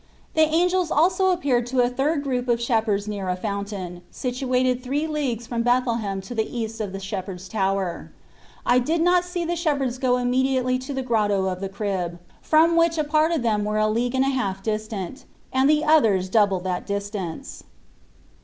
The angels also appeared to a third group of shepherds near a fountain, situated three leagues from Bethlehem to the east of the Shepherd s Tower. I did not see the shep herds go immediately to the Grotto of the Crib, from which one part of them were a league and a half distant, and the others double that distance.